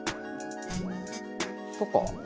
そっか。